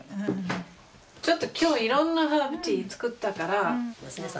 ちょっと今日いろんなハーブティー作ったから。